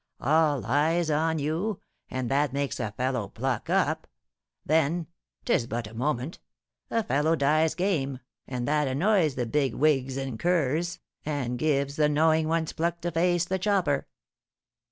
All eyes on you, and that makes a fellow pluck up; then 'tis but a moment a fellow dies game, and that annoys the big wigs and curs, and gives the knowing ones pluck to face the chopper."